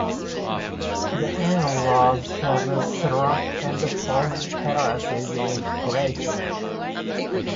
The inner walls have slumped and formed terraces in places.